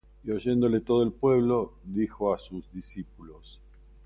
Y oyéndole todo el pueblo, dijo á sus discípulos: